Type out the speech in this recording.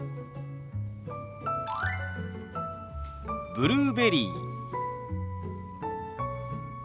「ブルーベリー」。